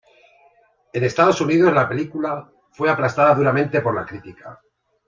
En Estados Unidos la película fue aplastada duramente por la crítica.